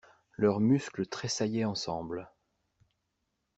Leurs muscles tressaillaient ensemble.